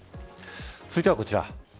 続いてはこちら。